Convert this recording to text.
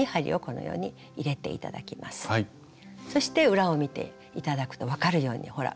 そして裏を見て頂くと分かるようにほらっ